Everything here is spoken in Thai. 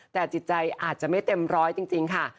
แต่จิตใจอาจจะไม่เต็มร้อยจริงค่ะ